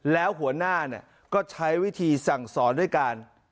แล้วหัวหน้าก็ใช้วิธีสั่งสอนด้วยการ